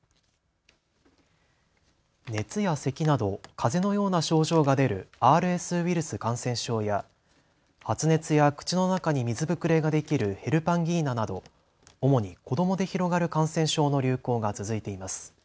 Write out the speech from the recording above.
熱やせきなどかぜのような症状が出るＲＳウイルス感染症や発熱や口の中に水ぶくれができるヘルパンギーナなど主に子どもで広がる感染症の流行が続いています。